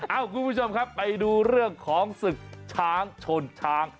คุณผู้ชมครับไปดูเรื่องของศึกช้างชนช้าง